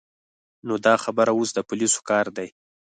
نو دا خبره اوس د پولیسو کار دی.